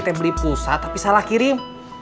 tablet pulsa tapi salah kirim